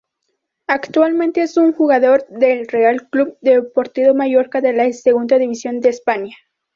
Actualmente es jugador del Real Club Deportivo Mallorca de la Segunda División de España.